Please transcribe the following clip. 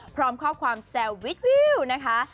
พร้อมข้อความแซววิดวิวนะคะ